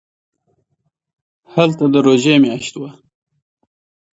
هلته د روژې میاشت وه.